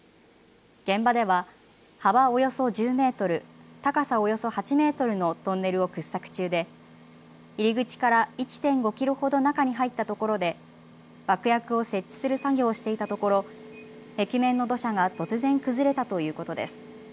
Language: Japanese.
現場では幅およそ１０メートル、高さおよそ８メートルのトンネルを掘削中で入り口から１．５キロほど中に入ったところで爆薬を設置する作業をしていたところ、壁面の土砂が突然、崩れたということです。